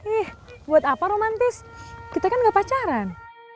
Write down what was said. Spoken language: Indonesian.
ih buat apa romantis kita kan gak pacaran